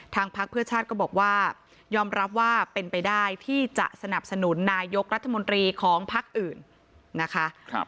พักเพื่อชาติก็บอกว่ายอมรับว่าเป็นไปได้ที่จะสนับสนุนนายกรัฐมนตรีของพักอื่นนะคะ